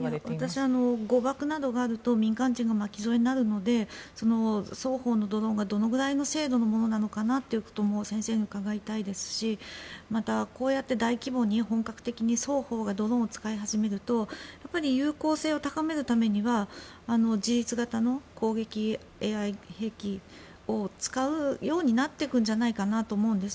私は誤爆などがあると民間人が巻き添えになるので双方のドローンがどのくらいの精度のものなのかなっていうのも先生に伺いたいですしまた、こうやって大規模に本格的に双方がドローンを使い始めると有効性を高めるためには自立型の攻撃ＡＩ兵器を使うようになっていくんじゃないかと思うんです。